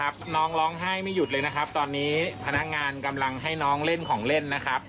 พนักงานกำลังให้น้องเล่นของเล่นนะครับ